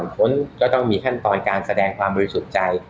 ค้นก็ต้องมีขั้นตอนการแสดงความบริสุทธิ์ใจ